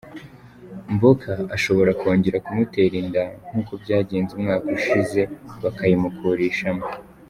Mboka ashobora kongera kumutera inda k’uko byagenze umwaka ushize bakayimukurishamo.